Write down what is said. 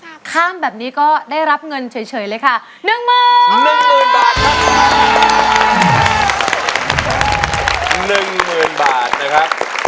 ถ้าข้ามแบบนี้ก็ได้รับเงินเฉยเลยค่ะ